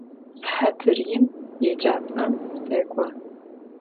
Sıhatır yim yêcap'em sek'o.